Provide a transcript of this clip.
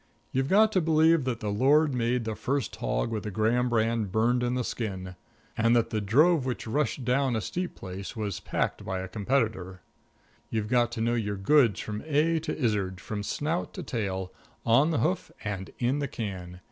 You've got to believe that the Lord made the first hog with the Graham brand burned in the skin, and that the drove which rushed down a steep place was packed by a competitor. You've got to know your goods from A to Izzard, from snout to tail, on the hoof and in the can.